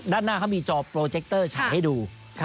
ด้านหน้าเขามีจอโปรเจคเตอร์ฉายให้ดู